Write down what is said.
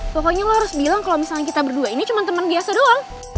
pokoknya lo harus bilang kalau misalnya kita berdua ini cuma teman biasa doang